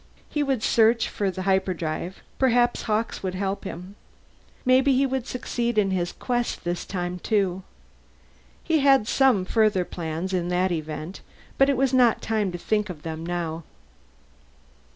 He would search for the hyperdrive; perhaps Hawkes would help him. Maybe he would succeed in his quest this time, too. He had some further plans, in that event, but it was not time to think of them now.